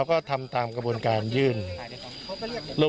กลุ่มตัวเชียงใหม่